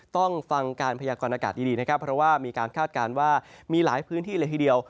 ต้องฟังการพยากรณากาศดีนะครับเพราะว่ามีการคาดการณ์ว่ามีหลายพื้นที่เลยทีเดียว